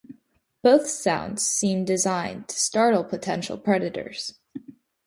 Both sounds seem designed to startle potential predators.